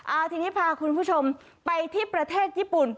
เอาทีนี้พาคุณผู้ชมไปที่ประเทศญี่ปุ่น